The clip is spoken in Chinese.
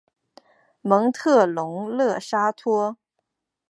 蒙特龙勒沙托。